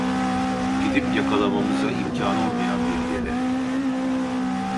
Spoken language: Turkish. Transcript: Gidip yakalamamıza imkan olmayan bir yere…